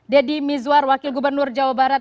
deddy mizwar wakil gubernur jawa barat